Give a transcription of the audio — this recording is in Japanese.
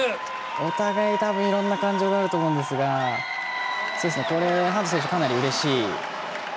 お互い多分いろんな感情があると思うんですが、これはハント選手かなりうれしい。